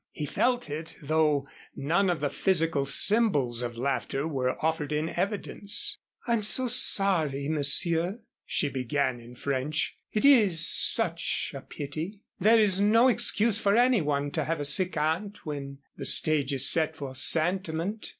He felt it, though none of the physical symbols of laughter were offered in evidence. "I'm so sorry, Monsieur," she began in French. "It is such a pity. There is no excuse for any one to have a sick aunt when the stage is set for sentiment.